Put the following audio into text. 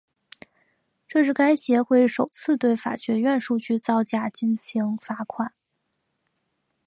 这是该协会首次对法学院数据造假进行罚款。